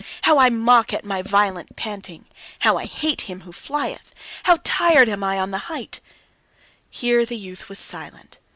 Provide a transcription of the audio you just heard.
How I mock at my violent panting! How I hate him who flieth! How tired I am on the height!" Here the youth was silent.